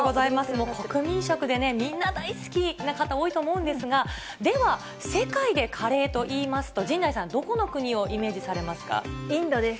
もう国民食でね、みんな大好きな方、多いと思うんですが、では、世界でカレーといいますと、陣内さん、インドです。